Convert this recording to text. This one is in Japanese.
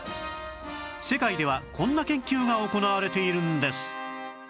世界ではこんな研究が行われているんです